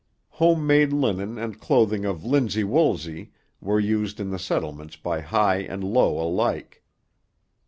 Home made linen and clothing of linsey woolsey were used in the settlements by high and low alike.